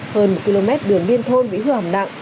hơn một km đường liên thôn bị hư hỏng nặng